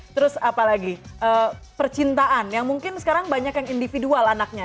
terus apalagi percintaan yang mungkin sekarang banyak yang individual anaknya